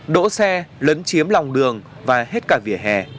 đỗ xe lấn chiếm lòng đường và hết cả vỉa hè